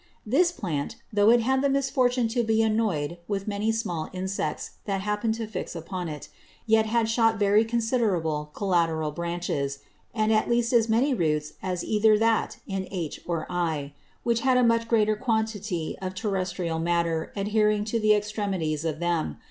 This Plant, though it had the Misfortune to be annoy'd with many small Insects that hapn'd to fix upon it; yet had shot very considerable collateral Branches; and at least as many Roots as either that in H or I; which had a much greater Quantity of Terrestrial Matter adhering to the Extremities of them.